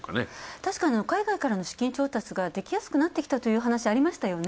確かに、海外からの資金調達ができやすくなってきたという話、ありましたよね。